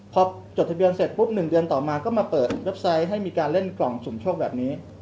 พอจดทะเบียนเสร็จปุ๊บ๑เดือนต่อมาก็มาเปิดเว็บไซต์ให้มีการเล่นกล่องสุ่มโชคแบบนี้